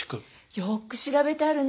よくしらべてあるね。